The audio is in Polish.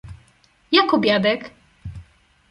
Jak obiadek?